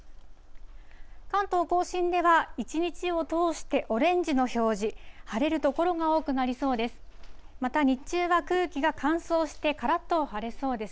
関東甲信では、一日を通してオレンジの表示、晴れる所が多くなりそうです。